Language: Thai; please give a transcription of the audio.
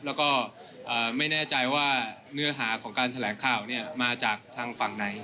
แล้วก็ไม่แน่ใจว่าเนื้อหาของการแถลงข่าวมาจากทางฝั่งไหน